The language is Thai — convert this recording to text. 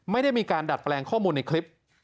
ไม่ได้มีการดัดแปลงข้อมูลในคลิป